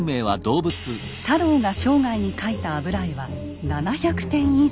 太郎が生涯に描いた油絵は７００点以上。